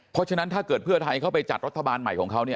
เพราะฉะนั้นถ้าเกิดเพื่อไทยเข้าไปจัดรัฐบาลใหม่ของเขาเนี่ย